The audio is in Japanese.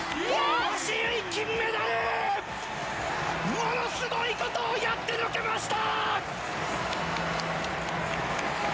ものすごいことをやってのけました！